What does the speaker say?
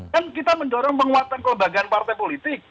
kan kita mendorong penguatan kelembagaan partai politik